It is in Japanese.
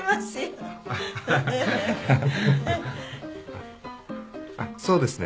あっあっそうですね。